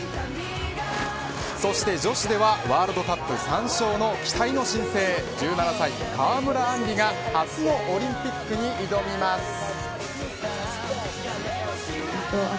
そして女子ではワールドカップ３勝の期待の新星１７歳、川村あんりが初のオリンピックに挑むます。